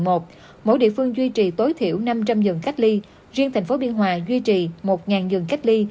mỗi địa phương duy trì tối thiểu năm trăm linh giường cách ly riêng thành phố biên hòa duy trì một giường cách ly